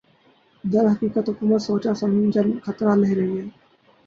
درحقیقت حکومت سوچاسمجھا خطرہ لے رہی ہے